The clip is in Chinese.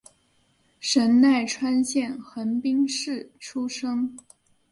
神奈川县横滨市出身。